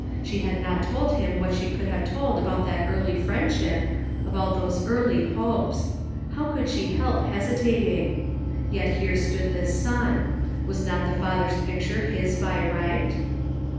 She had not told him what she could have told about that early friendship, about those early hopes. How could she help hesitating? Yet here stood his son. Was not the father's picture his by right?